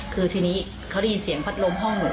คือทีนี้เขาได้ยินเสียงพัดลมห้องหมด